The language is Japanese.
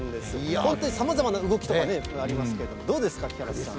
本当にさまざまな動きとかありますけど、どうですか、木原さん。